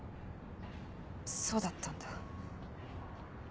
そうだったんだ。